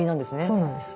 そうなんです。